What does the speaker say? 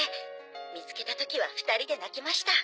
「見つけた時は２人で泣きました」